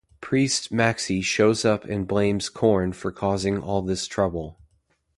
Priest Maxi shows up and blames Korn for causing all this trouble.